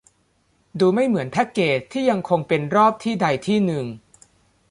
ดูไม่เหมือนแพคเกจที่ยังคงเป็นรอบที่ใดที่หนึ่ง